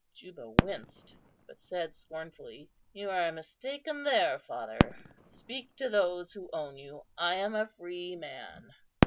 Juba winced, but said scornfully, "You are mistaken there, father; speak to those who own you. I am a free man."